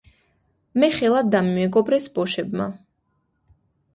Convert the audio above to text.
მე ხელად დამიმეგობრეს ბოშებმა